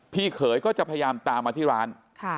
เขยก็จะพยายามตามมาที่ร้าน